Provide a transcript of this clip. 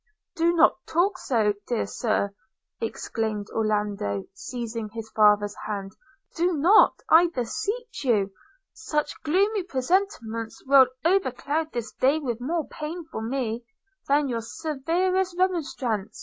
'Do not talk so, dear Sir!' exclaimed Orlando, seizing his father's hand; 'do not, I beseech you! – Such gloomy presentiments will overcloud this day with more pain for me, than your severest remonstrance.